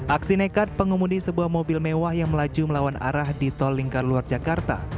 aksi nekat pengemudi sebuah mobil mewah yang melaju melawan arah di tol lingkar luar jakarta